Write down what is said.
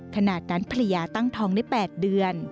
ขณะนั้นภรรยาตั้งท้องได้๘เดือน